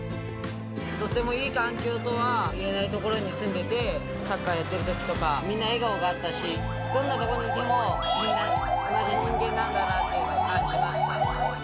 とてもいい環境とは言えない所に住んでて、サッカーやってるときとか、みんな笑顔があったし、どんな所にいても、みんな、同じ人間なんだなっていうのを感じました。